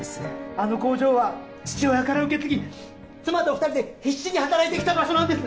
あの工場は父親から受け継ぎ妻と２人で必死に働いてきた場所なんです。